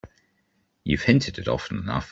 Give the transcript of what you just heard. You've hinted it often enough.